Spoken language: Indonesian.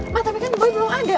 ma tapi kan boy belum ada